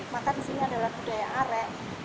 maka disini adalah budaya are